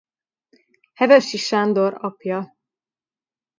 Hevesi Sándor apja.